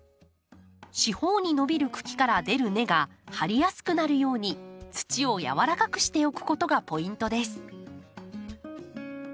四方に伸びる茎から出る根が張りやすくなるように土を軟らかくしておくことがポイントです。